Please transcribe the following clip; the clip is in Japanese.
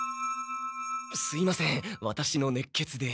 すいませんワタシの熱血で。